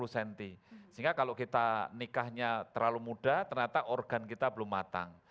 sehingga kalau kita nikahnya terlalu muda ternyata organ kita belum matang